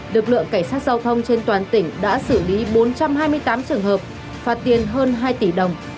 lực lượng cảnh sát giao thông trên toàn tỉnh đã xử lý bốn trăm hai mươi tám trường hợp phạt tiền hơn hai tỷ đồng